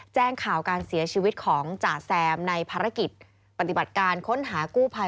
แจ้งข่าวการเสียชีวิตของจ่าแซมในภารกิจปฏิบัติการค้นหากู้ภัย